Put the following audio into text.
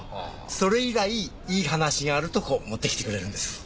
それ以来いい話があるとこう持ってきてくれるんです。